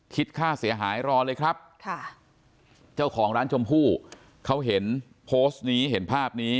ค่าเสียหายรอเลยครับค่ะเจ้าของร้านชมพู่เขาเห็นโพสต์นี้เห็นภาพนี้